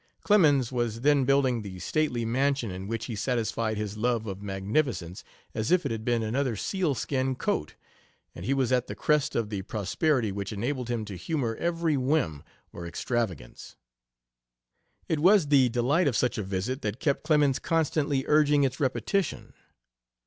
Clemens was then building the stately mansion in which he satisfied his love of magnificence as if it had been another sealskin coat, and he was at the crest of the prosperity which enabled him to humor every whim or extravagance." It was the delight of such a visit that kept Clemens constantly urging its repetition.